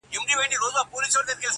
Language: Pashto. ډېر هوښیار دی مشرتوب لایق د ده دی!.